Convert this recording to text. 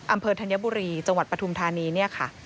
ธัญบุรีจังหวัดปฐุมธานีเนี่ยค่ะ